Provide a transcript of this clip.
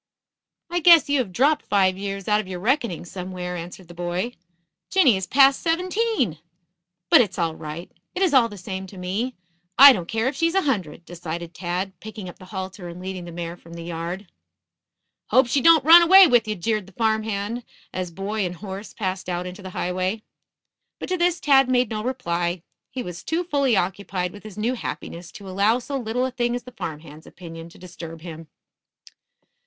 "I guess you have dropped five years out of your reckoning somewhere," answered the boy. "Jinny is past seventeen. But it's all right. It is all the same to me. I don't care if she's a hundred," decided Tad, picking up the halter and leading the mare from the yard. "Hope she don't run away with ye," jeered the farm hand, as boy and horse passed out into the highway. But to this Tad made no reply. He was too fully occupied with his new happiness to allow so little a thing as the farm hand's opinion to disturb him.